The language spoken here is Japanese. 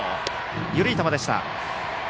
緩い球でした。